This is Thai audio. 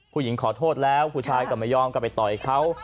ผู้หญิงขอโทษแล้วผู้ชายก็ไม่ยอมกลับไปต่อยเขา